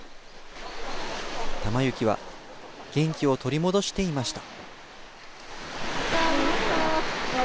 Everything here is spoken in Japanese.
タマユキは元気を取り戻していました。